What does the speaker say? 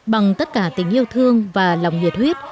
bằng tất cả tình yêu thương và lòng nhiệt huyết